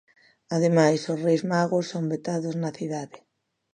Ademais, os Reis Magos son vetados na cidade.